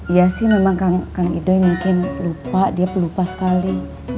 iya sih memang kang ido mungkin lupa dia pelupa sekali